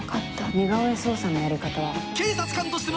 似顔絵捜査のやり方は。